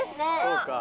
そうか。